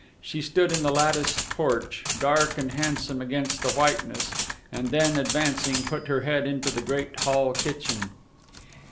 She stood in the latticed porch, dark and handsome against the whiteness, and then, advancing, put her head into the great hall kitchen.